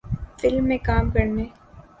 film میں کام کرنے